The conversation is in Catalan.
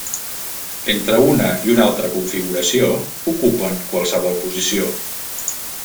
Entre una i una altra configuració ocupen qualsevol posició.